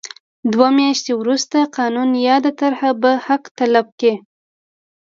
دوه میاشتې وروسته قانون یاده طرحه به حق تلف کړي.